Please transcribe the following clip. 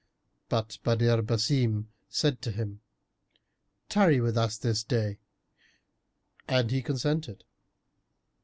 But Badr Basim said to him, "Tarry with us this day;" and he consented.